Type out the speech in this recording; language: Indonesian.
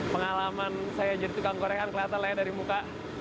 pengalaman saya jadi tukang gorengan kelihatan layak dari muka